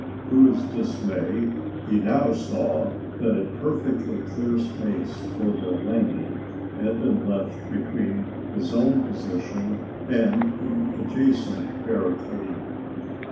To his dismay, he now saw that a perfectly clear space for their landing had been left between his own position and the adjacent barricade.